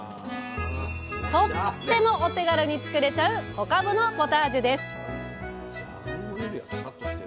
とってもお手軽に作れちゃう「小かぶのポタージュ」です！